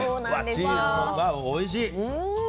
チーズもおいしい。